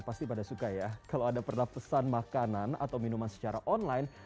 pasti pada suka ya kalau anda pernah pesan makanan atau minuman secara online